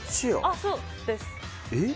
あっそうですえっ！？